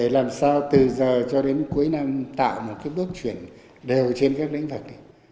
là sao từ giờ cho đến cuối năm tạo một cái bước chuyển đều trên các lĩnh vực